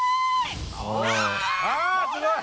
あっすごい！